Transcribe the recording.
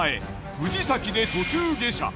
藤崎で途中下車。